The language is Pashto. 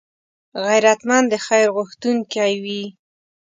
غیرتمند د خیر غوښتونکی وي